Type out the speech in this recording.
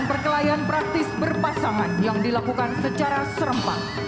dan berkelanjutan praktis berpasangan yang dilakukan secara serempak